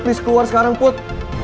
please keluar sekarang put